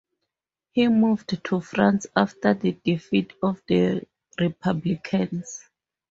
He moved to France after the defeat of the Republicans.